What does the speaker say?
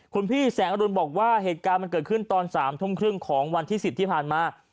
คุณพี่แสงอรุณบอกว่าเหตุการณ์มันเกิดขึ้นตอน๓ทุ่มครึ่งของวันที่๑๐ที่ผ่านมา